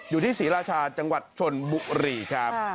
อยู่ที่ศรีราชาจังหวัดชนบุรีครับ